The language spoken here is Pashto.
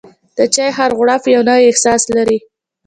د چای هر غوړپ یو نوی احساس لري.